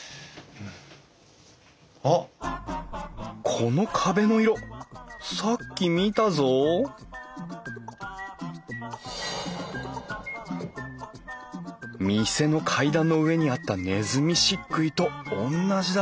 この壁の色さっき見たぞ店の階段の上にあったねずみ漆喰とおんなじだ